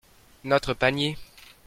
Notre panier.